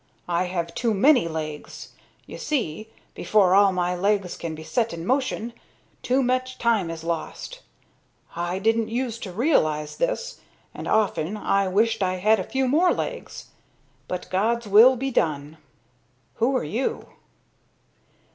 I have too many legs. You see, before all my legs can be set in motion, too much time is lost. I didn't use to realize this, and often wished I had a few more legs. But God's will be done. Who are you?"